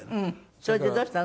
それでどうしたの？